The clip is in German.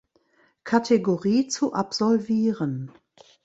Kategorie zu absolvieren.